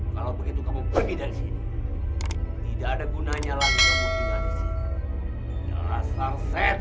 kalau begitu kamu pergi dari sini